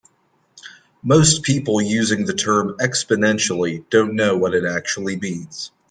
Most people using the term "exponentially" don't know what it actually means.